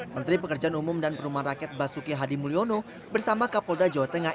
menteri pekerjaan umum dan perumahan rakyat basuki hadi mulyono bersama kapolda jawa tengah